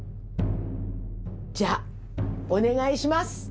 じゃお願いします！